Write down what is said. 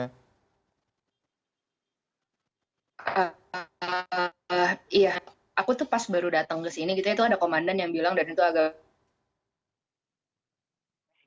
iya aku tuh pas baru datang ke sini gitu ya itu ada komandan yang bilang dan itu agak